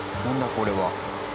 これは。